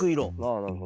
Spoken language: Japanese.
あなるほど。